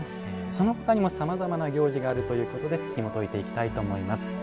そのほかにもさまざまな行事があるということでひもといていきたいと思います。